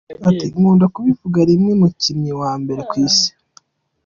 Ati: “ Nkunda kubivuga niwe mukinnyi wa mbere ku Isi.